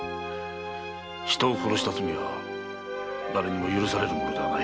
人を殺した罪は誰にも許されるものではない。